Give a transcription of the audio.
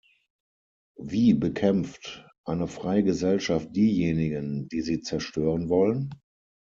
Wie bekämpft eine freie Gesellschaft diejenigen, die sie zerstören wollen?